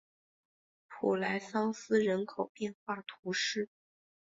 普莱桑斯人口变化图示